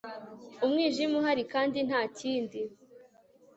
umwijima uhari, kandi ntakindi